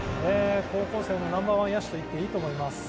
高校生のナンバーワン野手と言っていいと思います。